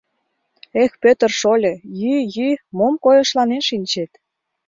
— Эх, Пӧтыр шольо, йӱ, йӱ, мом койышланен шинчет.